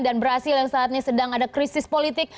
dan brazil yang saatnya sedang ada krisis politik